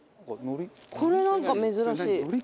これなんか珍しい。